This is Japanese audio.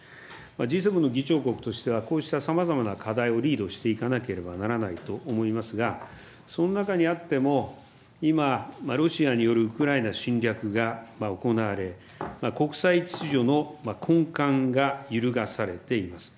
Ｇ７の議長国としては、こうしたさまざまな課題をリードしていかなければならないと思いますが、その中にあっても、今、ロシアによるウクライナ侵略が行われ、国際秩序の根幹が揺るがされています。